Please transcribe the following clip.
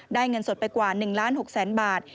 ได้เงินสดไปกว่า๑ล้าน๖๐๐บาท